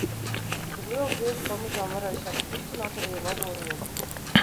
Par lielu prieku pamazām varēju sākt kustināt arī labo roku.